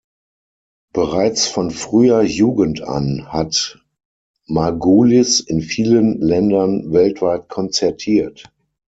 Bereits von früher Jugend an hat Margulis in vielen Ländern weltweit konzertiert.